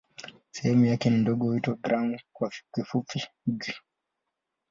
Sehemu yake ndogo huitwa "gramu" kwa kifupi "g".